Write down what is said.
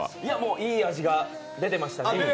いい味が出てましたね。